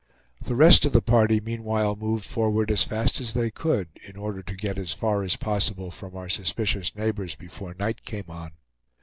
The rest of the party meanwhile moved forward as fast as they could, in order to get as far as possible from our suspicious neighbors before night came on.